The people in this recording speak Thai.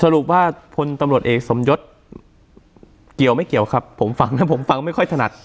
สรุปว่าพลตำรวจเอกสมยศเกี่ยวไม่เกี่ยวครับผมฟังนะผมฟังไม่ค่อยถนัด